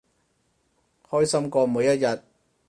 開心過每一日